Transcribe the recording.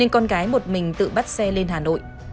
nên con gái một mình tự bắt xe lên hà nội